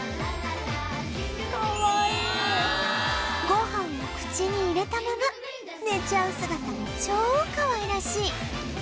ご飯を口に入れたまま寝ちゃう姿も超かわいらしい